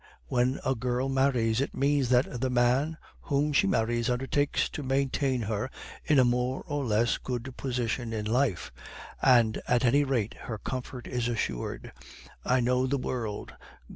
When a girl marries, it means that the man whom she marries undertakes to maintain her in a more or less good position in life, and at any rate her comfort is assured. I know the world.